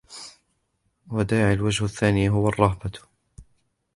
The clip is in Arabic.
وَدَاعِي الْوَجْهِ الثَّانِي هُوَ الرَّهْبَةُ